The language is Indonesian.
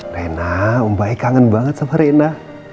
rena membaik kangen banget sama rena